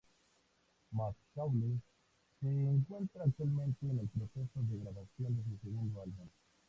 McCauley se encuentra actualmente en el proceso de grabación de su segundo álbum.